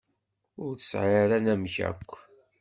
Ur tesɛi ara anamek akk.